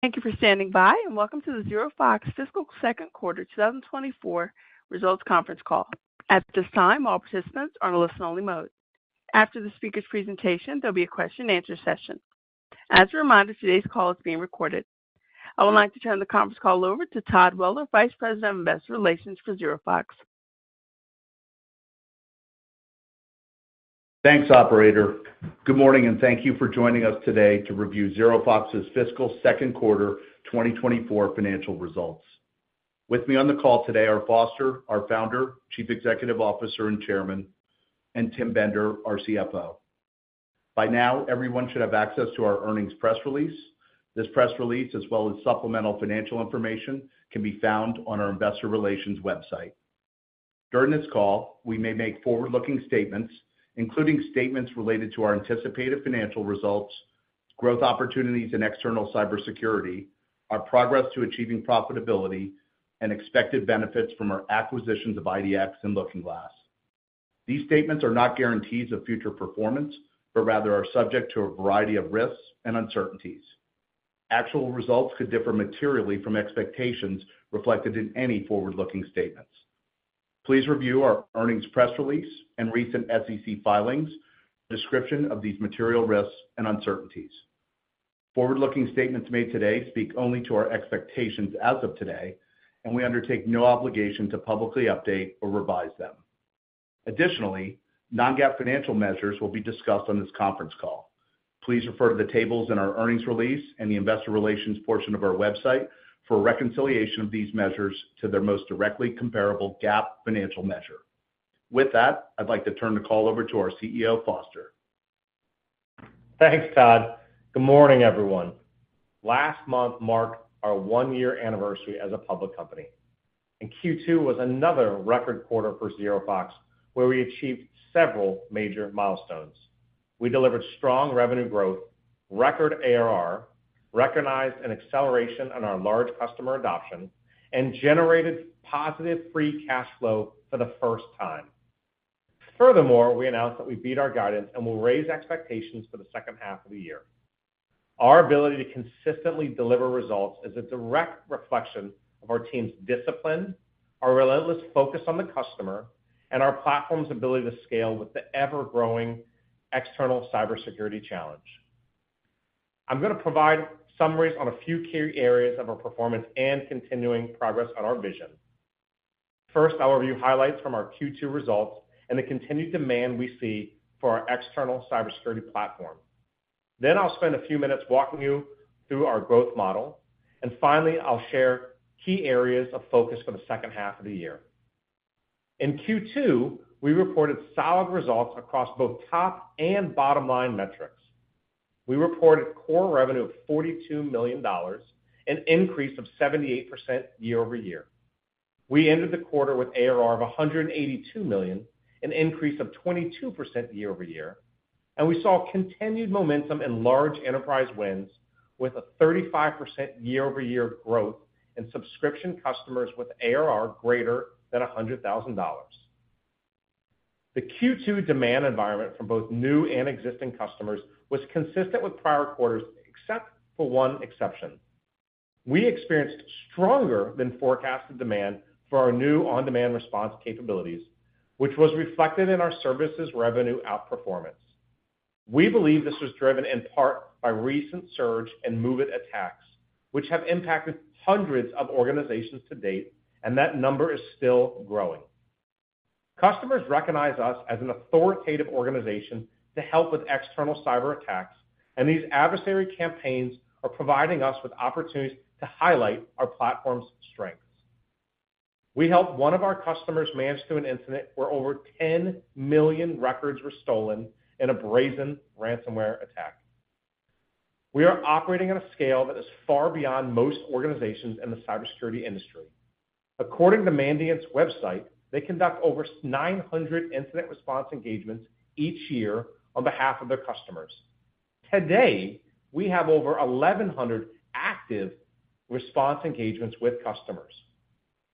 Thank you for standing by, and welcome to the ZeroFox Fiscal Second Quarter 2024 Results Conference Call. At this time, all participants are on a listen-only mode. After the speaker's presentation, there'll be a question-and-answer session. As a reminder, today's call is being recorded. I would like to turn the conference call over to Todd Weller, Vice President of Investor Relations for ZeroFox. Thanks, operator. Good morning, and thank you for joining us today to review ZeroFox's fiscal second quarter 2024 financial results. With me on the call today are Foster, our founder, Chief Executive Officer, and Chairman, and Tim Bender, our CFO. By now, everyone should have access to our earnings press release. This press release, as well as supplemental financial information, can be found on our investor relations website. During this call, we may make forward-looking statements, including statements related to our anticipated financial results, growth opportunities in external cybersecurity, our progress to achieving profitability, and expected benefits from our acquisitions of IDX and LookingGlass. These statements are not guarantees of future performance, but rather are subject to a variety of risks and uncertainties. Actual results could differ materially from expectations reflected in any forward-looking statements. Please review our earnings press release and recent SEC filings for a description of these material risks and uncertainties. Forward-looking statements made today speak only to our expectations as of today, and we undertake no obligation to publicly update or revise them. Additionally, Non-GAAP financial measures will be discussed on this conference call. Please refer to the tables in our earnings release and the investor relations portion of our website for a reconciliation of these measures to their most directly comparable GAAP financial measure. With that, I'd like to turn the call over to our CEO, Foster. Thanks, Todd. Good morning, everyone. Last month marked our one-year anniversary as a public company, and Q2 was another record quarter for ZeroFox, where we achieved several major milestones. We delivered strong revenue growth, record ARR, recognized an acceleration on our large customer adoption, and generated positive free cash flow for the first time. Furthermore, we announced that we beat our guidance and will raise expectations for the second half of the year. Our ability to consistently deliver results is a direct reflection of our team's discipline, our relentless focus on the customer, and our platform's ability to scale with the ever-growing external cybersecurity challenge. I'm going to provide summaries on a few key areas of our performance and continuing progress on our vision. First, I'll review highlights from our Q2 results and the continued demand we see for our external cybersecurity platform. Then I'll spend a few minutes walking you through our growth model, and finally, I'll share key areas of focus for the second half of the year. In Q2, we reported solid results across both top and bottom-line metrics. We reported core revenue of $42 million, an increase of 78% year-over-year. We ended the quarter with ARR of $182 million, an increase of 22% year-over-year, and we saw continued momentum in large enterprise wins with a 35% year-over-year growth in subscription customers with ARR greater than $100,000. The Q2 demand environment from both new and existing customers was consistent with prior quarters, except for one exception. We experienced stronger than forecasted demand for our new on-demand response capabilities, which was reflected in our services revenue outperformance. We believe this was driven in part by recent surge in MOVEit attacks, which have impacted hundreds of organizations to date, and that number is still growing. Customers recognize us as an authoritative organization to help with external cyberattacks, and these adversary campaigns are providing us with opportunities to highlight our platform's strengths. We helped one of our customers manage through an incident where over 10 million records were stolen in a brazen ransomware attack. We are operating on a scale that is far beyond most organizations in the cybersecurity industry. According to Mandiant's website, they conduct over 900 incident response engagements each year on behalf of their customers. Today, we have over 1,100 active response engagements with customers.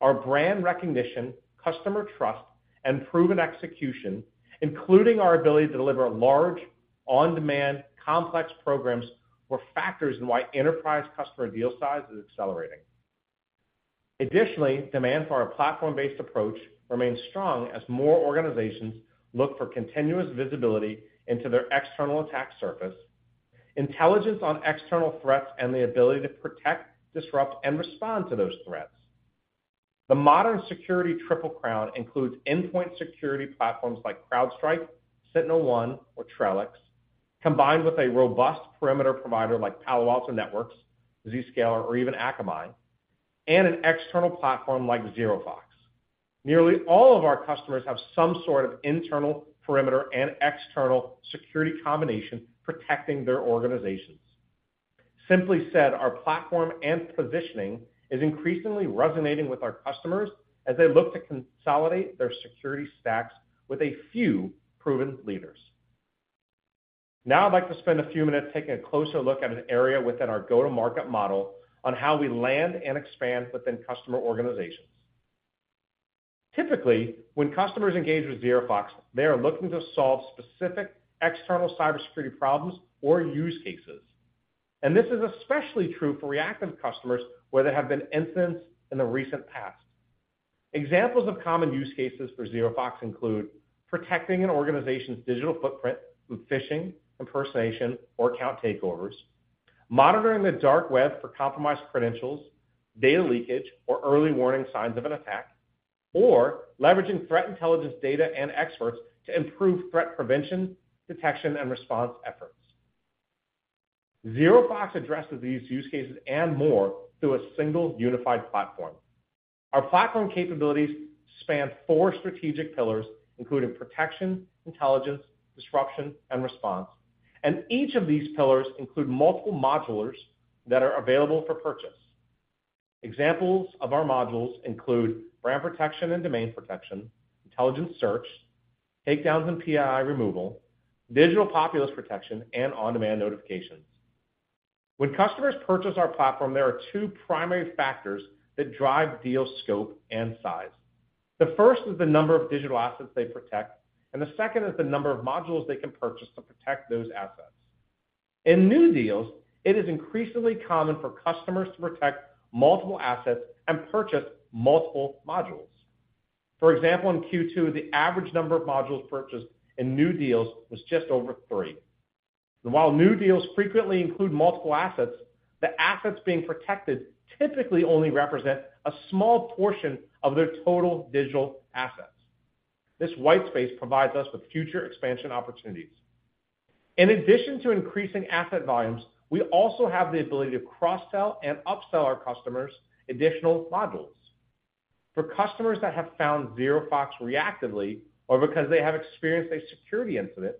Our brand recognition, customer trust, and proven execution, including our ability to deliver large, on-demand, complex programs, were factors in why enterprise customer deal size is accelerating. Additionally, demand for our platform-based approach remains strong as more organizations look for continuous visibility into their external attack surface, intelligence on external threats, and the ability to protect, disrupt, and respond to those threats. The modern security triple crown includes endpoint security platforms like CrowdStrike, SentinelOne, or Trellix, combined with a robust perimeter provider like Palo Alto Networks, Zscaler, or even Akamai, and an external platform like ZeroFox. Nearly all of our customers have some sort of internal perimeter and external security combination protecting their organizations. Simply said, our platform and positioning is increasingly resonating with our customers as they look to consolidate their security stacks with a few proven leaders. Now I'd like to spend a few minutes taking a closer look at an area within our go-to-market model on how we land and expand within customer organizations. Typically, when customers engage with ZeroFox, they are looking to solve specific external cybersecurity problems or use cases. And this is especially true for reactive customers, where there have been incidents in the recent past. Examples of common use cases for ZeroFox include protecting an organization's digital footprint from phishing, impersonation, or account takeovers, monitoring the Dark Web for compromised credentials, data leakage, or early warning signs of an attack, or leveraging threat intelligence data and experts to improve threat prevention, detection, and response efforts. ZeroFox addresses these use cases and more through a single unified platform. Our platform capabilities span four strategic pillars, including protection, intelligence, disruption, and response, and each of these pillars include multiple modules that are available for purchase. Examples of our modules include brand protection and domain protection, intelligence search, takedowns and PII removal, Digital Populace Protection, and on-demand notifications. When customers purchase our platform, there are two primary factors that drive deal scope and size. The first is the number of digital assets they protect, and the second is the number of modules they can purchase to protect those assets. In new deals, it is increasingly common for customers to protect multiple assets and purchase multiple modules. For example, in Q2, the average number of modules purchased in new deals was just over three. While new deals frequently include multiple assets, the assets being protected typically only represent a small portion of their total digital assets. This white space provides us with future expansion opportunities. In addition to increasing asset volumes, we also have the ability to cross-sell and upsell our customers additional modules. For customers that have found ZeroFox reactively or because they have experienced a security incident,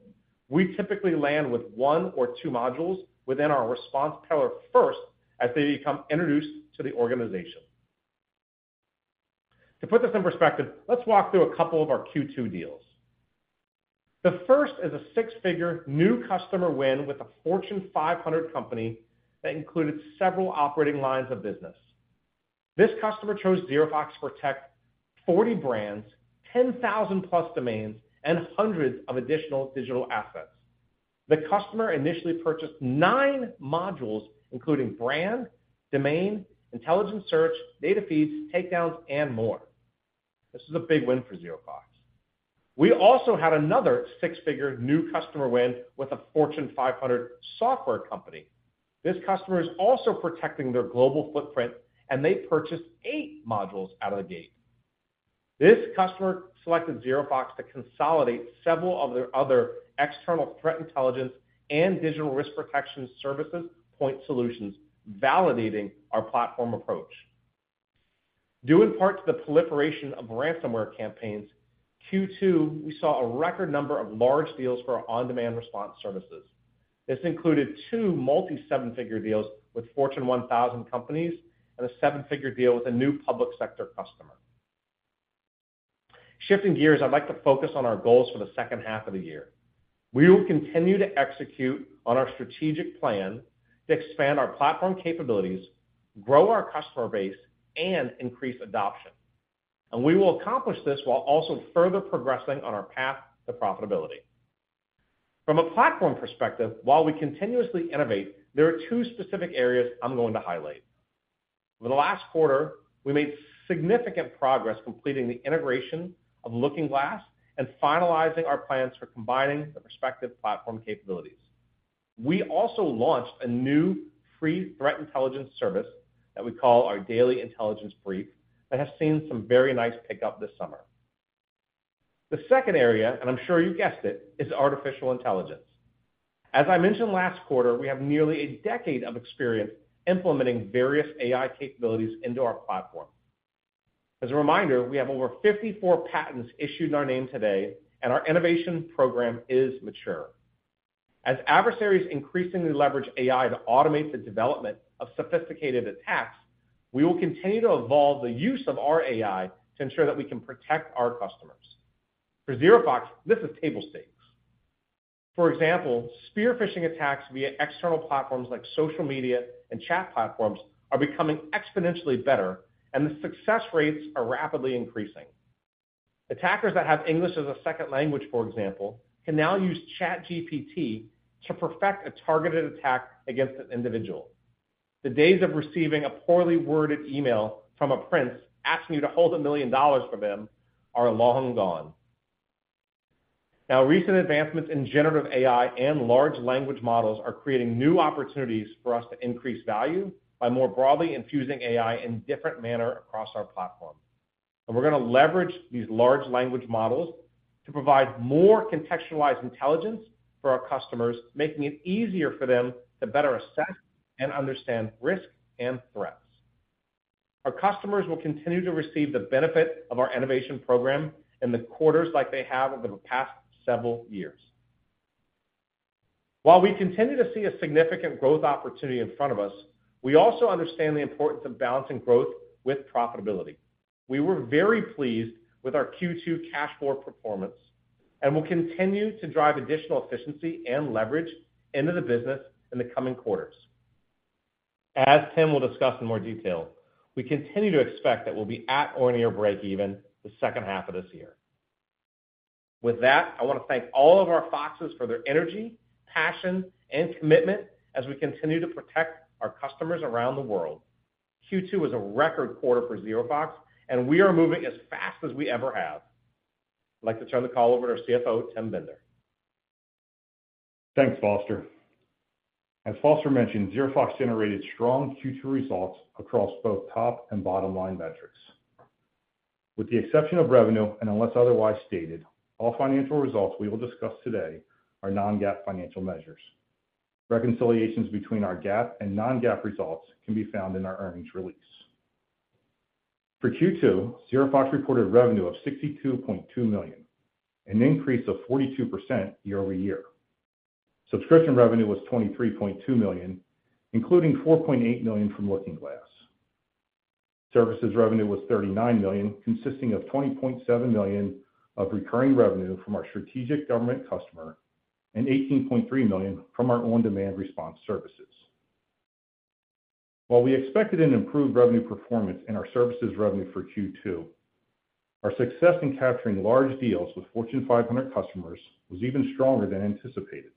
we typically land with one or two modules within our response pillar first, as they become introduced to the organization. To put this in perspective, let's walk through a couple of our Q2 deals. The first is a six-figure new customer win with a Fortune 500 company that included several operating lines of business. This customer chose ZeroFox to protect 40 brands, 10,000+ domains, and hundreds of additional digital assets. The customer initially purchased nine modules, including brand, domain, intelligence search, data feeds, takedowns, and more. This is a big win for ZeroFox. We also had another six-figure new customer win with a Fortune 500 software company. This customer is also protecting their global footprint, and they purchased eight modules out of the gate. This customer selected ZeroFox to consolidate several of their other external threat intelligence and digital risk protection services point solutions, validating our platform approach. Due in part to the proliferation of ransomware campaigns, Q2, we saw a record number of large deals for our on-demand response services. This included 2 multi-7-figure deals with Fortune 1000 companies and a 7-figure deal with a new public sector customer. Shifting gears, I'd like to focus on our goals for the second half of the year. We will continue to execute on our strategic plan to expand our platform capabilities, grow our customer base, and increase adoption. We will accomplish this while also further progressing on our path to profitability. From a platform perspective, while we continuously innovate, there are two specific areas I'm going to highlight. Over the last quarter, we made significant progress completing the integration of LookingGlass and finalizing our plans for combining the respective platform capabilities. We also launched a new free threat intelligence service that we call our Daily Intelligence Brief, that has seen some very nice pickup this summer. The second area, and I'm sure you guessed it, is artificial intelligence. As I mentioned last quarter, we have nearly a decade of experience implementing various AI capabilities into our platform. As a reminder, we have over 54 patents issued in our name today, and our innovation program is mature. As adversaries increasingly leverage AI to automate the development of sophisticated attacks, we will continue to evolve the use of our AI to ensure that we can protect our customers. For ZeroFox, this is table stakes. For example, spear phishing attacks via external platforms like social media and chat platforms are becoming exponentially better, and the success rates are rapidly increasing. Attackers that have English as a second language, for example, can now use ChatGPT to perfect a targeted attack against an individual. The days of receiving a poorly worded email from a prince asking you to hold a million dollars for them are long gone. Now, recent advancements in generative AI and large language models are creating new opportunities for us to increase value by more broadly infusing AI in different manner across our platform. We're going to leverage these large language models to provide more contextualized intelligence for our customers, making it easier for them to better assess and understand risks and threats. Our customers will continue to receive the benefit of our innovation program in the quarters like they have over the past several years. While we continue to see a significant growth opportunity in front of us, we also understand the importance of balancing growth with profitability. We were very pleased with our Q2 cash flow performance, and we'll continue to drive additional efficiency and leverage into the business in the coming quarters. As Tim will discuss in more detail, we continue to expect that we'll be at or near breakeven the second half of this year. With that, I want to thank all of our Foxes for their energy, passion, and commitment as we continue to protect our customers around the world. Q2 was a record quarter for ZeroFox, and we are moving as fast as we ever have. I'd like to turn the call over to our CFO, Tim Bender. Thanks, Foster. As Foster mentioned, ZeroFox generated strong Q2 results across both top and bottom-line metrics. With the exception of revenue, and unless otherwise stated, all financial results we will discuss today are Non-GAAP financial measures. Reconciliations between our GAAP and Non-GAAP results can be found in our earnings release. For Q2, ZeroFox reported revenue of $62.2 million, an increase of 42% year-over-year. Subscription revenue was $23.2 million, including $4.8 million from LookingGlass. Services revenue was $39 million, consisting of $20.7 million of recurring revenue from our strategic government customer and $18.3 million from our on-demand response services. While we expected an improved revenue performance in our services revenue for Q2, our success in capturing large deals with Fortune 500 customers was even stronger than anticipated.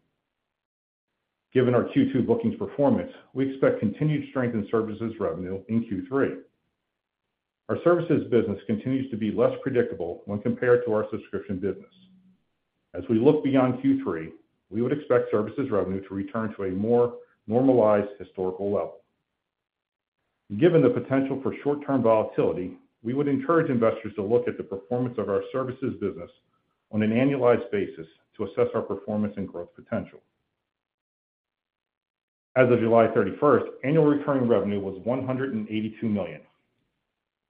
Given our Q2 bookings performance, we expect continued strength in services revenue in Q3. Our services business continues to be less predictable when compared to our subscription business. As we look beyond Q3, we would expect services revenue to return to a more normalized historical level. Given the potential for short-term volatility, we would encourage investors to look at the performance of our services business on an annualized basis to assess our performance and growth potential. As of July 31, annual recurring revenue was $182 million.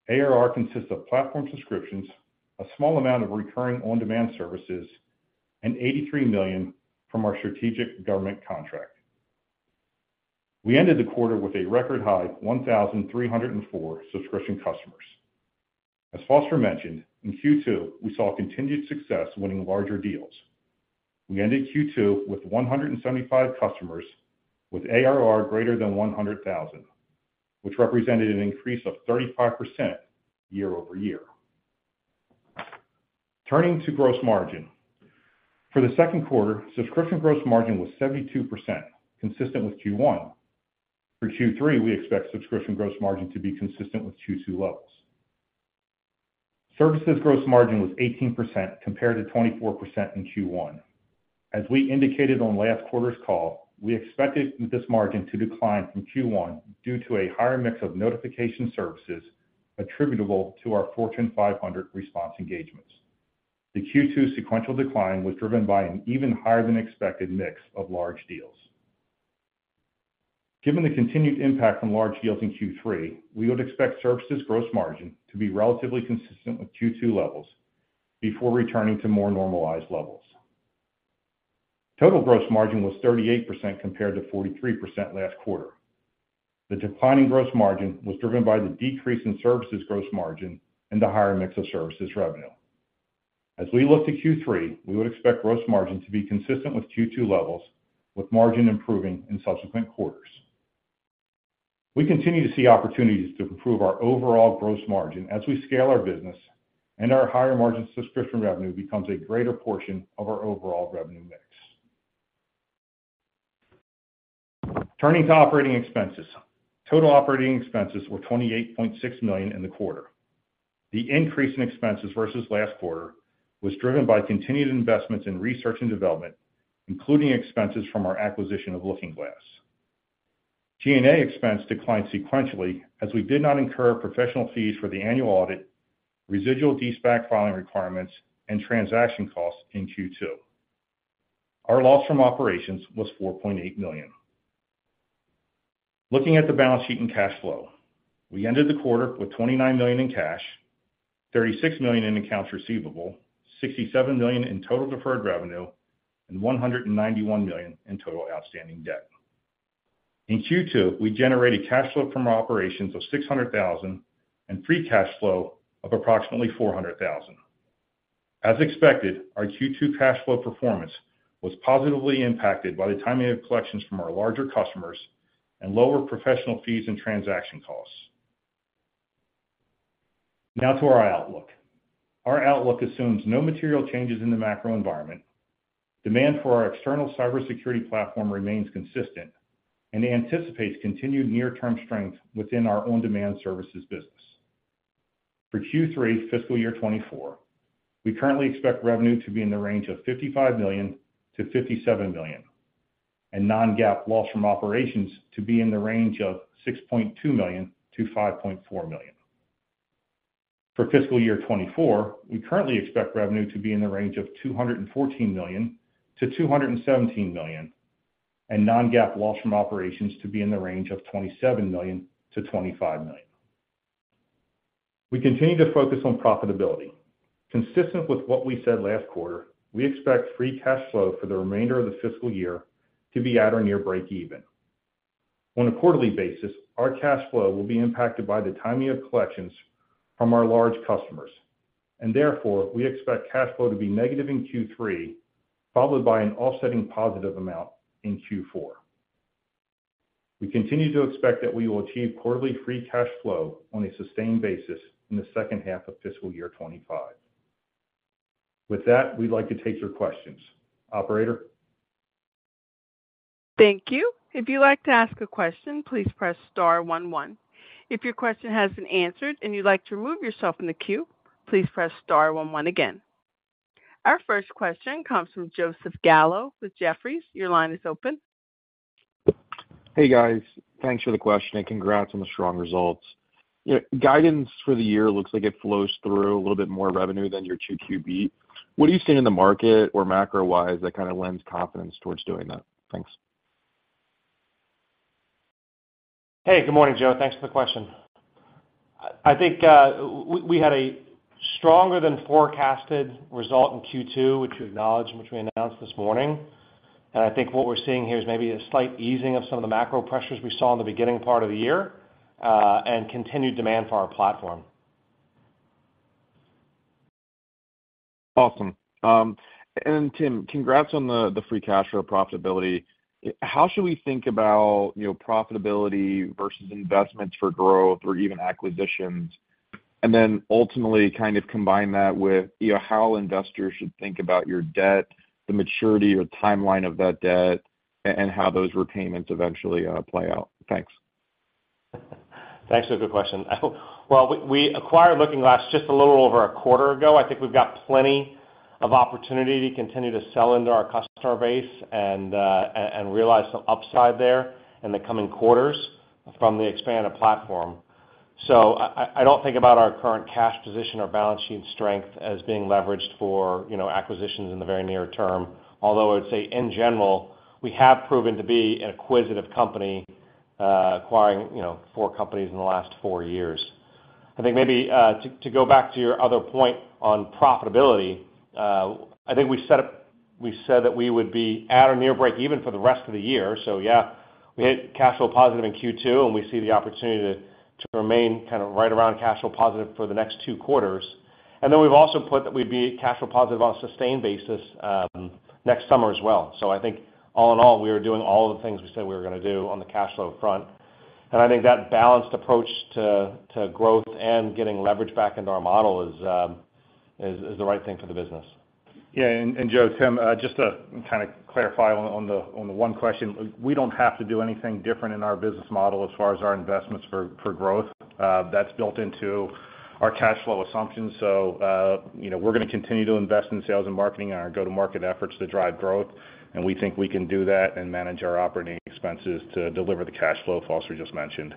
ARR consists of platform subscriptions, a small amount of recurring on-demand services, and $83 million from our strategic government contract. We ended the quarter with a record high 1,304 subscription customers. As Foster mentioned, in Q2, we saw continued success winning larger deals. We ended Q2 with 175 customers with ARR greater than $100,000, which represented an increase of 35% year-over-year. Turning to gross margin. For the second quarter, subscription gross margin was 72%, consistent with Q1. For Q3, we expect subscription gross margin to be consistent with Q2 levels. Services gross margin was 18%, compared to 24% in Q1. As we indicated on last quarter's call, we expected this margin to decline from Q1 due to a higher mix of notification services attributable to our Fortune 500 response engagements. The Q2 sequential decline was driven by an even higher-than-expected mix of large deals. Given the continued impact from large deals in Q3, we would expect services gross margin to be relatively consistent with Q2 levels before returning to more normalized levels. Total gross margin was 38%, compared to 43% last quarter. The decline in gross margin was driven by the decrease in services gross margin and the higher mix of services revenue. As we look to Q3, we would expect gross margin to be consistent with Q2 levels, with margin improving in subsequent quarters. We continue to see opportunities to improve our overall gross margin as we scale our business and our higher-margin subscription revenue becomes a greater portion of our overall revenue mix. Turning to operating expenses. Total operating expenses were $28.6 million in the quarter. The increase in expenses versus last quarter was driven by continued investments in research and development, including expenses from our acquisition of Looking Glass. G&A expense declined sequentially, as we did not incur professional fees for the annual audit, residual de-SPAC filing requirements, and transaction costs in Q2. Our loss from operations was $4.8 million. Looking at the balance sheet and cash flow, we ended the quarter with $29 million in cash, $36 million in accounts receivable, $67 million in total deferred revenue, and $191 million in total outstanding debt. In Q2, we generated cash flow from operations of $600,000 and free cash flow of approximately $400,000. As expected, our Q2 cash flow performance was positively impacted by the timing of collections from our larger customers and lower professional fees and transaction costs. Now to our outlook. Our outlook assumes no material changes in the macro environment. Demand for our external cybersecurity platform remains consistent and anticipates continued near-term strength within our on-demand services business. For Q3 fiscal year 2024, we currently expect revenue to be in the range of $55 million-$57 million, and non-GAAP loss from operations to be in the range of $6.2 million-$5.4 million. For fiscal year 2024, we currently expect revenue to be in the range of $214 million-$217 million, and Non-GAAP loss from operations to be in the range of $27 million-$25 million. We continue to focus on profitability. Consistent with what we said last quarter, we expect free cash flow for the remainder of the fiscal year to be at or near breakeven. On a quarterly basis, our cash flow will be impacted by the timing of collections from our large customers... and therefore, we expect cash flow to be negative in Q3, followed by an offsetting positive amount in Q4. We continue to expect that we will achieve quarterly free cash flow on a sustained basis in the second half of fiscal year 25. With that, we'd like to take your questions. Operator? Thank you. If you'd like to ask a question, please press star one, one. If your question has been answered, and you'd like to remove yourself from the queue, please press star one one again. Our first question comes from Joseph Gallo with Jefferies. Your line is open. Hey, guys. Thanks for the question, and congrats on the strong results. Your guidance for the year looks like it flows through a little bit more revenue than your 2Q beat. What are you seeing in the market or macro-wise that kind of lends confidence towards doing that? Thanks. Hey, good morning, Joe. Thanks for the question. I think we had a stronger than forecasted result in Q2, which we acknowledge and which we announced this morning. I think what we're seeing here is maybe a slight easing of some of the macro pressures we saw in the beginning part of the year, and continued demand for our platform. Awesome. And Tim, congrats on the, the free cash flow profitability. How should we think about, you know, profitability versus investments for growth or even acquisitions? And then ultimately, kind of combine that with, you know, how investors should think about your debt, the maturity or timeline of that debt, and how those repayments eventually play out? Thanks. Thanks for the good question. Well, we acquired Looking Glass just a little over a quarter ago. I think we've got plenty of opportunity to continue to sell into our customer base and and realize some upside there in the coming quarters from the expanded platform. So I don't think about our current cash position or balance sheet strength as being leveraged for, you know, acquisitions in the very near term. Although I would say, in general, we have proven to be an acquisitive company, acquiring, you know, four companies in the last four years. I think maybe to go back to your other point on profitability, I think we said that we would be at or near breakeven for the rest of the year. So yeah, we hit cash flow positive in Q2, and we see the opportunity to remain kind of right around cash flow positive for the next two quarters. And then we've also put that we'd be cash flow positive on a sustained basis next summer as well. So I think all in all, we are doing all the things we said we were gonna do on the cash flow front. And I think that balanced approach to growth and getting leverage back into our model is the right thing for the business. Yeah, Joe, Tim, just to kind of clarify on the one question, we don't have to do anything different in our business model as far as our investments for growth. That's built into our cash flow assumptions. So, you know, we're gonna continue to invest in sales and marketing and our go-to-market efforts to drive growth, and we think we can do that and manage our operating expenses to deliver the cash flow Foster just mentioned.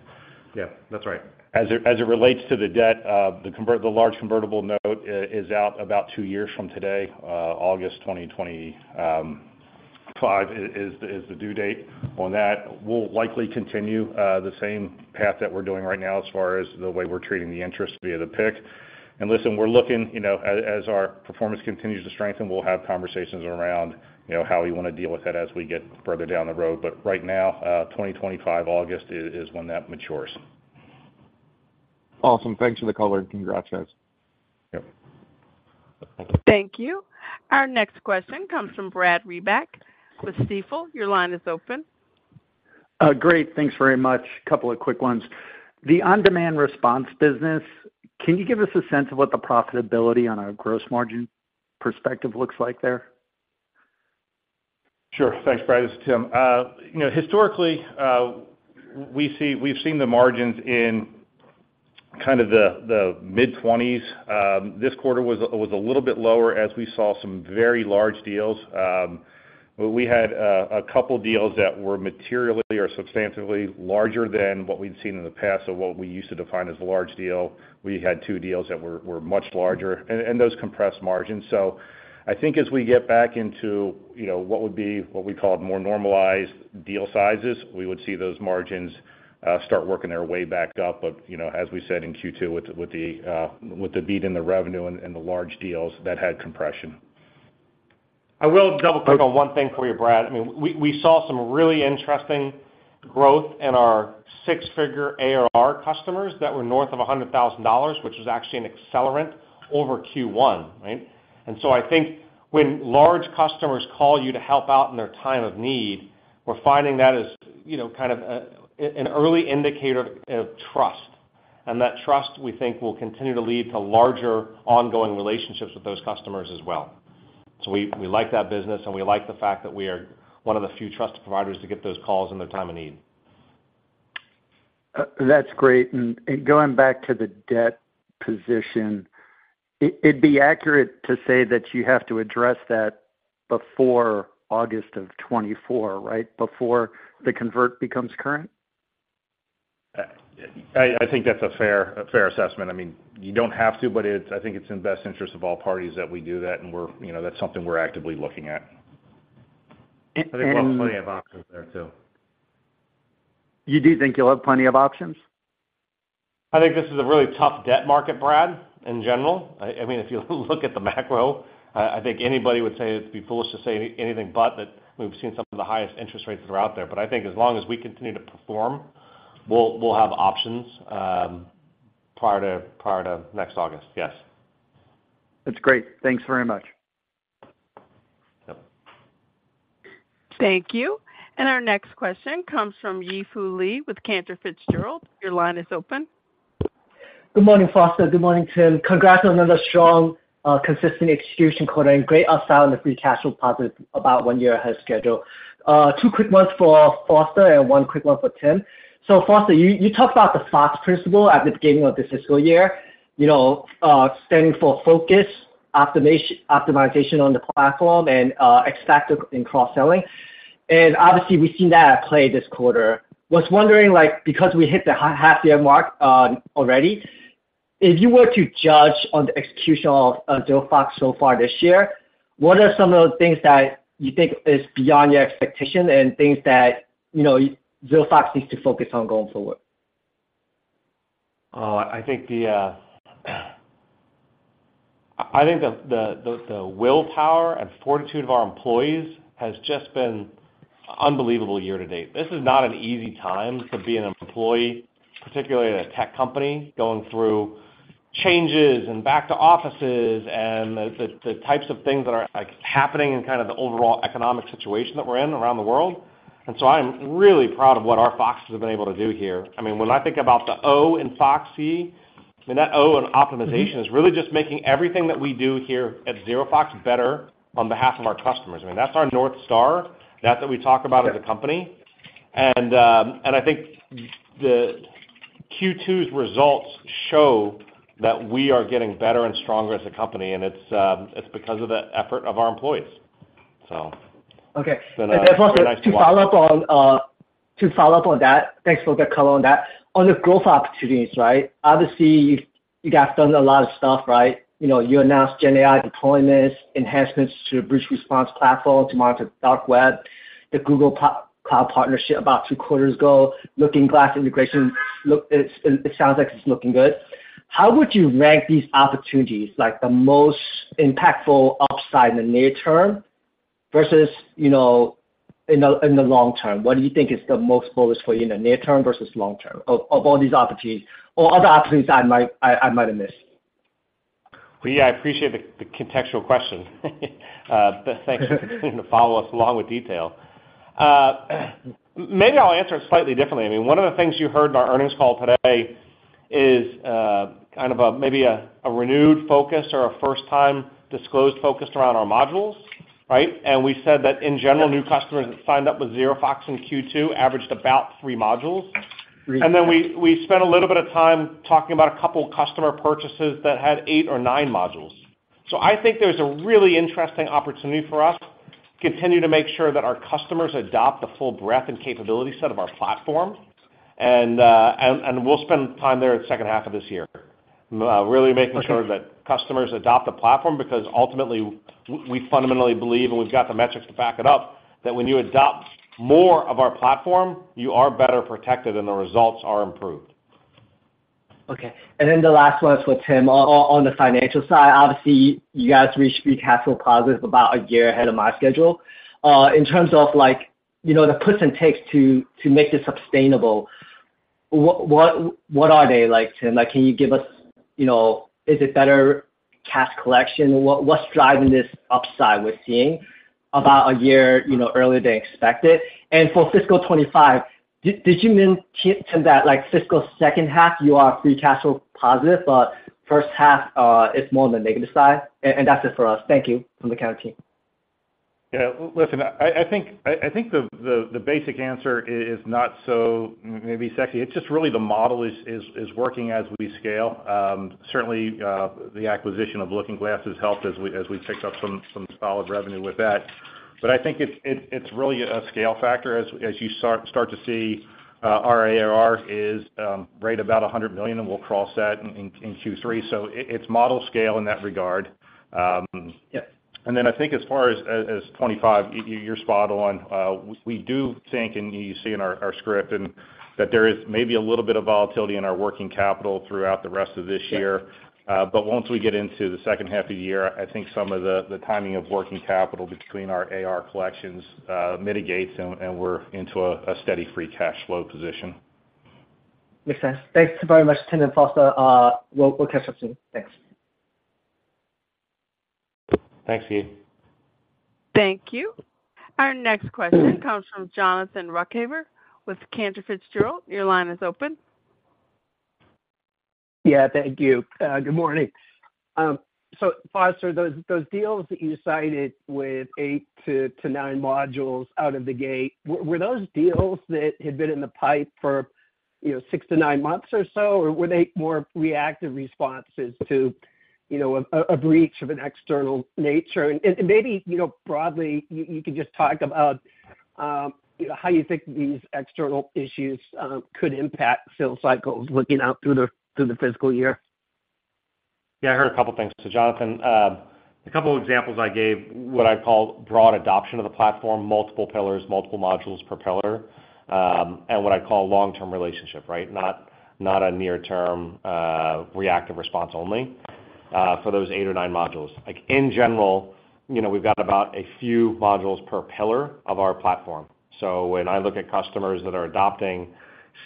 Yeah, that's right. As it relates to the debt, the large convertible note is out about two years from today, August 2025 is the due date on that. We'll likely continue the same path that we're doing right now as far as the way we're treating the interest via the PIK. And listen, we're looking, you know, as our performance continues to strengthen, we'll have conversations around, you know, how we wanna deal with it as we get further down the road. But right now, August 2025 is when that matures. Awesome. Thanks for the color, and congrats, guys. Yep. Thank you. Our next question comes from Brad Reback with Stifel. Your line is open. Great. Thanks very much. Couple of quick ones. The on-demand response business, can you give us a sense of what the profitability on a gross margin perspective looks like there? Sure. Thanks, Brad. This is Tim. You know, historically, we've seen the margins in kind of the mid-twenties. This quarter was a little bit lower as we saw some very large deals. But we had a couple deals that were materially or substantively larger than what we'd seen in the past, or what we used to define as a large deal. We had two deals that were much larger, and those compressed margins. So I think as we get back into, you know, what would be, what we call more normalized deal sizes, we would see those margins start working their way back up. But, you know, as we said in Q2, with the beat in the revenue and the large deals, that had compression. I will double-click on one thing for you, Brad. I mean, we saw some really interesting growth in our six-figure ARR customers that were north of $100,000, which is actually an accelerant over Q1, right? And so I think when large customers call you to help out in their time of need, we're finding that as, you know, kind of an early indicator of trust, and that trust, we think, will continue to lead to larger ongoing relationships with those customers as well. So we like that business, and we like the fact that we are one of the few trusted providers to get those calls in their time of need. That's great. And going back to the debt position, it'd be accurate to say that you have to address that before August of 2024, right? Before the convert becomes current. I think that's a fair assessment. I mean, you don't have to, but it's, I think it's in the best interest of all parties that we do that, and we're, you know, that's something we're actively looking at. I think we'll have plenty of options there, too. You do think you'll have plenty of options? I think this is a really tough debt market, Brad, in general. I mean, if you look at the macro, I think anybody would say it'd be foolish to say anything but that we've seen some of the highest interest rates that are out there. But I think as long as we continue to perform... We'll have options prior to next August. Yes. That's great. Thanks very much. Yep. Thank you. Our next question comes from Yi Fu Lee with Cantor Fitzgerald. Your line is open. Good morning, Foster. Good morning, Tim. Congrats on another strong, consistent execution quarter and great upside on the free cash flow positive, about 1 year ahead of schedule. Two quick ones for Foster and one quick one for Tim. So Foster, you, you talked about the FOX principle at the beginning of this fiscal year, you know, standing for focus, optimization on the platform, and expansion in cross-selling. And obviously, we've seen that at play this quarter. Was wondering, like, because we hit the half-year mark already, if you were to judge on the execution of ZeroFox so far this year, what are some of the things that you think is beyond your expectation and things that, you know, ZeroFox needs to focus on going forward? I think the willpower and fortitude of our employees has just been unbelievable year to date. This is not an easy time to be an employee, particularly at a tech company, going through changes and back to offices and the types of things that are, like, happening in kind of the overall economic situation that we're in around the world. And so I'm really proud of what our Foxes have been able to do here. I mean, when I think about the O in Foxy, I mean, that O in optimization is really just making everything that we do here at ZeroFox better on behalf of our customers. I mean, that's our North Star. That's what we talk about as a company. I think the Q2's results show that we are getting better and stronger as a company, and it's because of the effort of our employees. Okay. So nice to watch. To follow up on, to follow up on that, thanks for the color on that. On the growth opportunities, right? Obviously, you guys have done a lot of stuff, right. You know, you announced GenAI deployments, enhancements to your breach response platform to monitor Dark Web, the Google Cloud partnership about two quarters ago, LookingGlass integration. Look, it sounds like it's looking good. How would you rank these opportunities, like, the most impactful upside in the near term versus, you know, in the long term? What do you think is the most bullish for you in the near term versus long term, of all these opportunities or other opportunities I might have missed? Well, yeah, I appreciate the, the contextual question. Thanks for continuing to follow us along with detail. Maybe I'll answer it slightly differently. I mean, one of the things you heard in our earnings call today is, kind of a, maybe a, a renewed focus or a first-time disclosed focus around our modules, right? And we said that in general, new customers that signed up with ZeroFox in Q2 averaged about three modules. Three. And then we spent a little bit of time talking about a couple customer purchases that had 8 or 9 modules. So I think there's a really interesting opportunity for us to continue to make sure that our customers adopt the full breadth and capability set of our platform. And we'll spend time there in the second half of this year, really making sure- Okay that customers adopt the platform, because ultimately, we fundamentally believe, and we've got the metrics to back it up, that when you adopt more of our platform, you are better protected and the results are improved. Okay. And then the last one is for Tim. On the financial side, obviously, you guys reached free cash flow positive about a year ahead of my schedule. In terms of like, you know, the puts and takes to make this sustainable, what are they like, Tim? Like, can you give us, you know, is it better cash collection? What’s driving this upside we’re seeing about a year, you know, earlier than expected? And for fiscal 25, did you mean, Tim, that, like, fiscal second half, you are free cash flow positive, but first half, it’s more on the negative side? And that’s it for us. Thank you. From the Cantor team. Yeah, listen, I think the basic answer is not so maybe sexy. It's just really the model is working as we scale. Certainly, the acquisition of Looking Glass has helped as we picked up some solid revenue with that. But I think it's really a scale factor as you start to see our ARR is right about $100 million, and we'll cross that in Q3. So it's model scale in that regard. Yeah. Then I think as far as 25, you're spot on. We do think, and you see in our script, that there is maybe a little bit of volatility in our working capital throughout the rest of this year. Yeah. But once we get into the second half of the year, I think some of the timing of working capital between our AR collections mitigates, and we're into a steady free cash flow position. Makes sense. Thanks very much, Tim and Foster. We'll catch up soon. Thanks. Thanks, Yifu. Thank you. Our next question comes from Jonathan Ruykhaver with Cantor Fitzgerald. Your line is open. Yeah, thank you. Good morning. So Foster, those deals that you cited with 8-9 modules out of the gate, were those deals that had been in the pipe for, you know, 6-9 months or so? Or were they more reactive responses to, you know, a breach of an external nature? And maybe, you know, broadly, you could just talk about how you think these external issues could impact sales cycles looking out through the fiscal year. Yeah, I heard a couple of things. So, Jonathan, a couple of examples I gave, what I call broad adoption of the platform, multiple pillars, multiple modules per pillar, and what I call long-term relationship, right? Not, not a near-term, reactive response only for those 8 or 9 modules. Like, in general, you know, we've got about a few modules per pillar of our platform. So when I look at customers that are adopting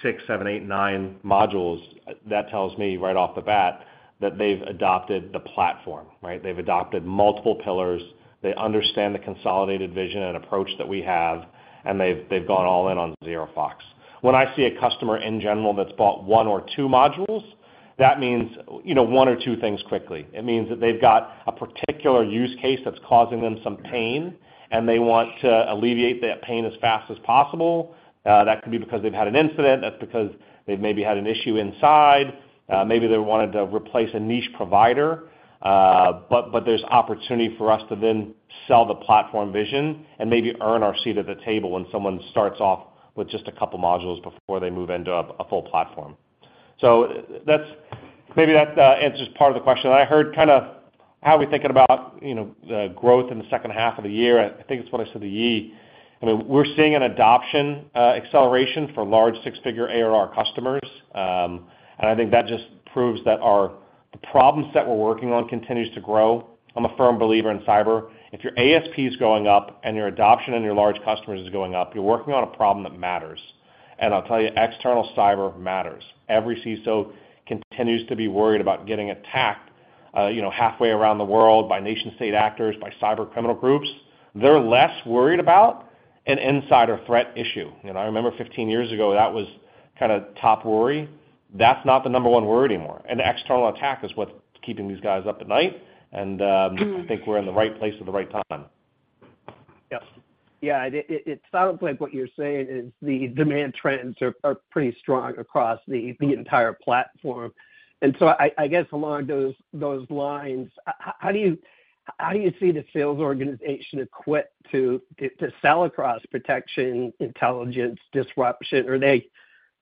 6, 7, 8, 9 modules, that tells me right off the bat that they've adopted the platform, right? They've adopted multiple pillars, they understand the consolidated vision and approach that we have, and they've, they've gone all in on ZeroFox. When I see a customer, in general, that's bought 1 or 2 modules, that means, you know, 1 or 2 things quickly. It means that they've got a particular use case that's causing them some pain, and they want to alleviate that pain as fast as possible. That could be because they've had an incident, that's because they've maybe had an issue inside, maybe they wanted to replace a niche provider. But, but there's opportunity for us to then sell the platform vision and maybe earn our seat at the table when someone starts off with just a couple modules before they move into a full platform. So that's—maybe that answers part of the question. I heard kind of how are we thinking about, you know, the growth in the second half of the year? I think it's what I said to Yi. I mean, we're seeing an adoption acceleration for large six-figure ARR customers. And I think that just proves that the problems that we're working on continues to grow. I'm a firm believer in cyber. If your ASP is going up and your adoption and your large customers is going up, you're working on a problem that matters. And I'll tell you, external cyber matters. Every CISO continues to be worried about getting attacked, you know, halfway around the world by nation-state actors, by cyber criminal groups. They're less worried about an insider threat issue. You know, I remember 15 years ago, that was kind of top worry. That's not the number one worry anymore. An external attack is what's keeping these guys up at night, and I think we're in the right place at the right time. Yes. Yeah, it sounds like what you're saying is the demand trends are pretty strong across the entire platform. And so I guess, along those lines, how do you see the sales organization equipped to sell across protection, intelligence, disruption? Are they,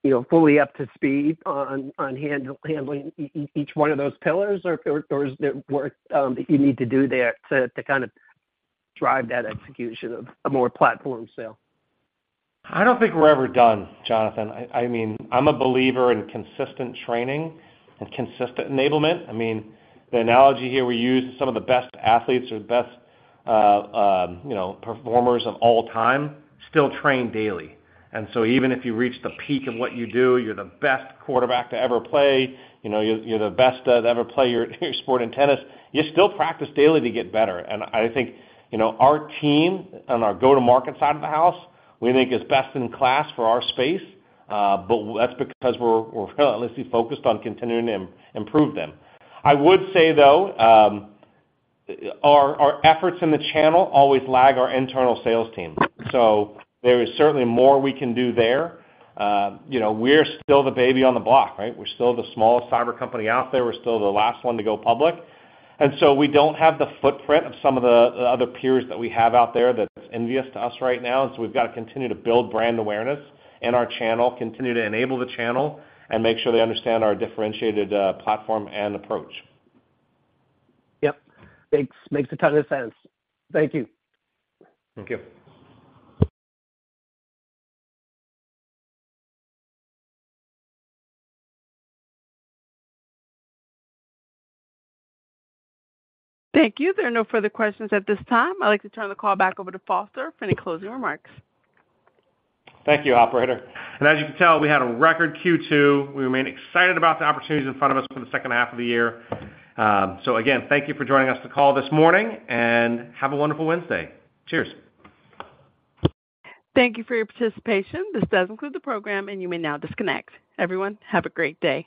you know, fully up to speed on handling each one of those pillars, or is there work that you need to do there to kind of drive that execution of a more platform sale? I don't think we're ever done, Jonathan. I mean, I'm a believer in consistent training and consistent enablement. I mean, the analogy here we use, some of the best athletes or the best, you know, performers of all time, still train daily. And so even if you reach the peak of what you do, you're the best quarterback to ever play, you know, you're the best to ever play your sport in tennis, you still practice daily to get better. And I think, you know, our team on our go-to-market side of the house, we think is best in class for our space, but that's because we're relentlessly focused on continuing to improve them. I would say, though, our efforts in the channel always lag our internal sales team. So there is certainly more we can do there. You know, we're still the baby on the block, right? We're still the smallest cyber company out there. We're still the last one to go public, and so we don't have the footprint of some of the, the other peers that we have out there that's envious to us right now. And so we've got to continue to build brand awareness and our channel, continue to enable the channel and make sure they understand our differentiated, platform and approach. Yep. Makes a ton of sense. Thank you. Thank you. Thank you. There are no further questions at this time. I'd like to turn the call back over to Foster for any closing remarks. Thank you, operator. And as you can tell, we had a record Q2. We remain excited about the opportunities in front of us for the second half of the year. So again, thank you for joining us on the call this morning, and have a wonderful Wednesday. Cheers! Thank you for your participation. This does conclude the program, and you may now disconnect. Everyone, have a great day.